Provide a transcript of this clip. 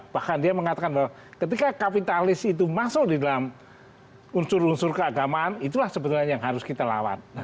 bahkan dia mengatakan bahwa ketika kapitalis itu masuk di dalam unsur unsur keagamaan itulah sebenarnya yang harus kita lawan